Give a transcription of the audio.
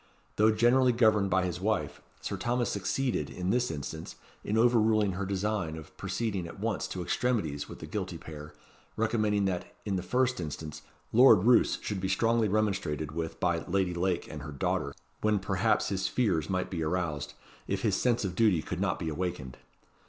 Though generally governed by his wife, Sir Thomas succeeded, in this instance, in over ruling her design of proceeding at once to extremities with the guilty pair, recommending that, in the first instance, Lord Roos should be strongly remonstrated with by Lady Lake and her daughter, when perhaps his fears might be aroused, if his sense of duty could not be awakened.